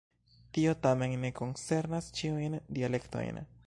Tio tamen ne koncernas ĉiujn dialektojn.